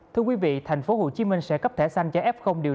thưa quý vị tp hcm sẽ cấp thẻ xanh cho fhcm